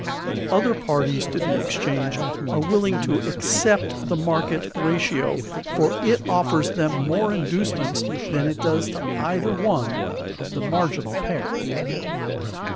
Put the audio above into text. The other parties to the exchange are willing to accept the market ratio, for it offers them more inducements than it does to either one of the marginal pair.